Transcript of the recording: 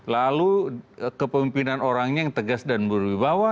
lalu kepemimpinan orangnya yang tegas dan berwibawa